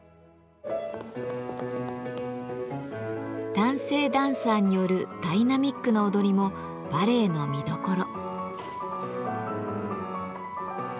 男性ダンサーによるダイナミックな踊りもバレエの見どころ。